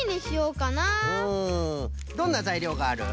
うんどんなざいりょうがある？